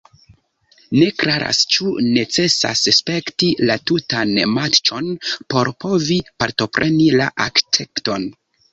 Ne klaras ĉu necesas spekti la tutan matĉon por povi partopreni la akcepton.